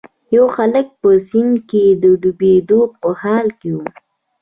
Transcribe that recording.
یو هلک په سیند کې د ډوبیدو په حال کې و.